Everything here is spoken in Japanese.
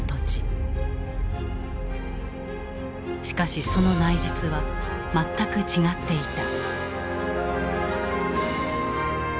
しかしその内実は全く違っていた。